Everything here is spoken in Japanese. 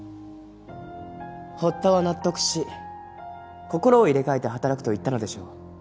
堀田は納得し心を入れ替えて働くと言ったのでしょう。